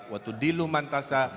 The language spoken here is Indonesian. watu dilu mantasa